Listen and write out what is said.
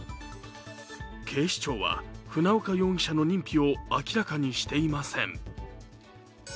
警視庁は船岡容疑者の認否を明らかにしていません。